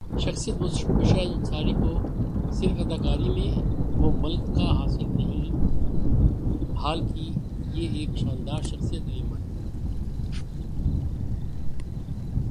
شخصیت بشریٰ انصاری کو سرف اداکاری میں وہ ملک حاصل نہیں بال کی یہ ایک شاندرشخصیات کی بھی ملک ہیں